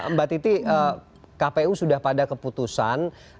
mbak titi kpu sudah pada keputusan